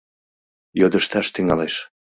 Йодышташ тӱҥалеш.